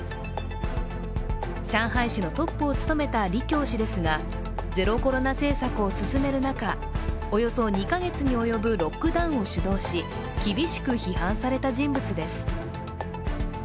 上海市のトップを務めた李強氏ですが、ゼロコロナ政策を進める中、およそ２か月におよぶロックダウンを主導し厳しく批判された人物です。